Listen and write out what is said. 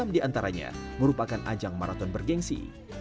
enam di antaranya merupakan ajang maraton bergensi